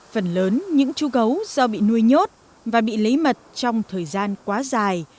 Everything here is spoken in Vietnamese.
phần lớn những chú gấu do bị nuôi nhốt và bị lấy mật trong thời gian quá dài